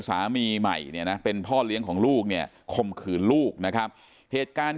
สามีใหม่เนี่ยนะเป็นพ่อเลี้ยงของลูกเนี่ยคมขืนลูกนะครับเหตุการณ์